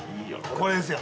これですよ。